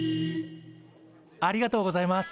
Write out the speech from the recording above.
ありがとうございます。